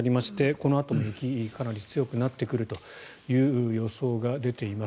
このあとも雪かなり強くなってくるという予想が出ています。